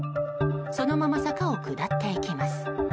そのまま坂を下っていきます。